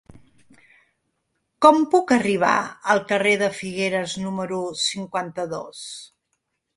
Com puc arribar al carrer de Figueres número cinquanta-dos?